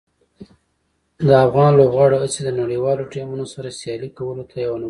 د افغان لوبغاړو هڅې د نړیوالو ټیمونو سره سیالي کولو ته یوه نمونه ده.